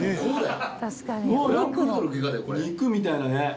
肉みたいなね。